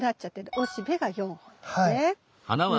おしべが４本なんですね。